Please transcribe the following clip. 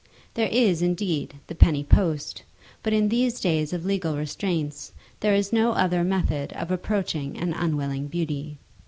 There is, indeed, the penny post, but in these days of legal restraints, there is no other method of approaching an unwilling beauty.